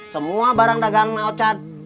semua barang dagang mang ocad